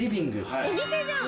お店じゃん！